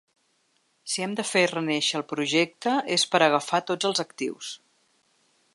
Si hem de fer renéixer el projecte és per agafar tots els actius.